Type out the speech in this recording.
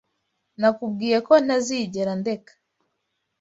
Nakubwiye ko ntazigera ndeka.